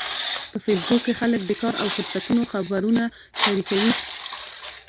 په فېسبوک کې خلک د کار او فرصتونو خبرونه شریکوي